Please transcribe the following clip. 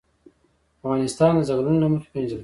افغانستان د ځنګلونه له مخې پېژندل کېږي.